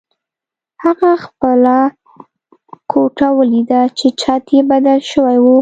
هغه خپله کوټه ولیده چې چت یې بدل شوی و